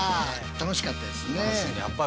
楽しかったですね。